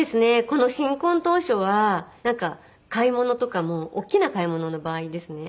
この新婚当初は買い物とかも大きな買い物の場合ですね。